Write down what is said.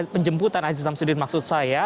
penjemputan aziz samsudin maksud saya